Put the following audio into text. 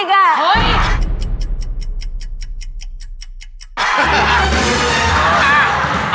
เฮ้ยเฮ้ยเฮ้ย